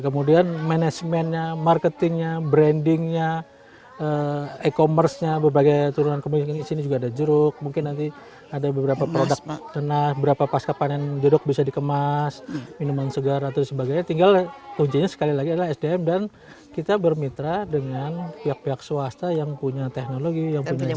kemudian manajemennya marketingnya brandingnya e commerce nya berbagai turunan kemudian disini juga ada jeruk mungkin nanti ada beberapa produk tenah berapa pasca panen jodoh bisa dikemas minuman segar atau sebagainya tinggal ujianya sekali lagi adalah sdm dan kita bermitra dengan pihak pihak swasta yang punya teknologi yang punya jaringan